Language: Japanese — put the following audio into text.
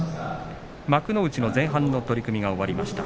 幕内の前半の取組が終わりました。